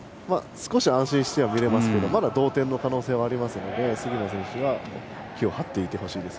少し安心して見られますがまだ同点の可能性はありますので杉村選手は気を張っていてほしいです。